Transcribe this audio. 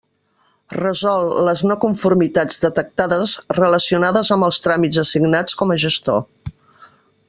Resol les no conformitats detectades relacionades amb els tràmits assignats com a gestor.